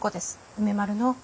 梅丸の。